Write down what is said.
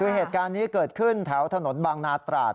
คือเหตุการณ์นี้เกิดขึ้นแถวถนนบางนาตราด